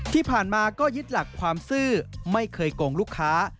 ที่ผ่านมาก็ยึดหลักความซื่อไม่เคยโกงลูกค้า